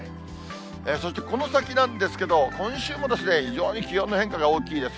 そしてこの先なんですけど、今週も非常に気温の変化が大きいです。